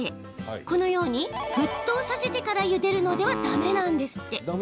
このように沸騰させてからゆでるのは、だめなんですって。